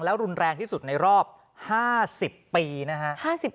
แล้วรุนแรงที่สุดในรอบ๕๐ปีนะฮะ